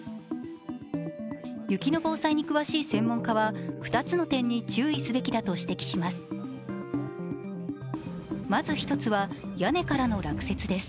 雪の防災に詳しい専門家は２つの点に注意すべきだと指摘します。